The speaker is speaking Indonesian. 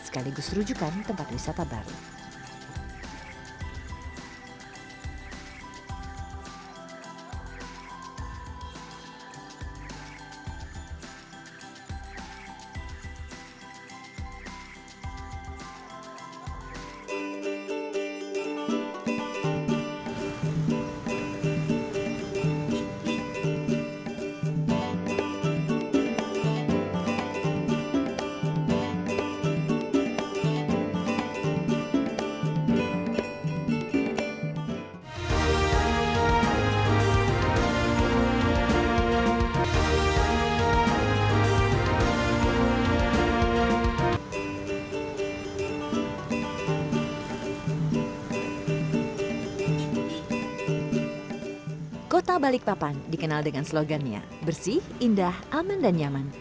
kota balikpapan dikenal dengan slogannya bersih indah aman dan nyaman